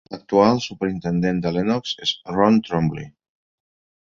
L'actual superintendent de Lenox és Ron Trombly.